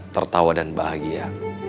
tertawa dan bahagia